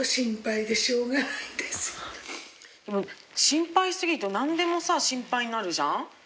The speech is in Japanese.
心配しすぎると何でも心配になるじゃん。